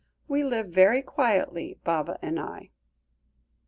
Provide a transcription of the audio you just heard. We live very quietly, Baba and I."